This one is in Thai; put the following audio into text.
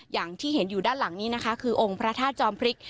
อย่างที่เห็นอยู่ด้านหลังนี้นะคะคือองค์พระธาตุจอมพริก